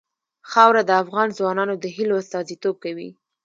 خاوره د افغان ځوانانو د هیلو استازیتوب کوي.